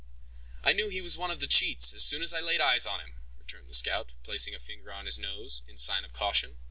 "I knew he was one of the cheats as soon as I laid eyes on him!" returned the scout, placing a finger on his nose, in sign of caution.